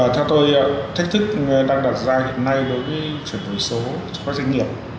theo tôi thách thức đang đặt ra hiện nay đối với chuyển đổi số cho các doanh nghiệp